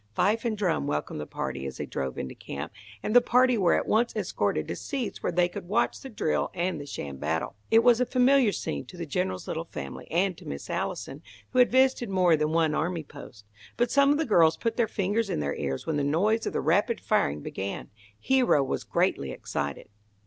Fife and drum welcomed the party as they drove into camp, and the party were at once escorted to seats where they could watch the drill and the sham battle. It was a familiar scene to the General's little family, and to Miss Allison, who had visited more than one army post. But some of the girls put their fingers in their ears when the noise of the rapid firing began. Hero was greatly excited.